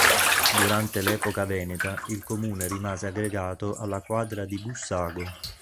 Durante l'epoca veneta il comune rimase aggregato alla quadra di Gussago.